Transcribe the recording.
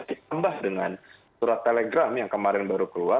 ditambah dengan surat telegram yang kemarin baru keluar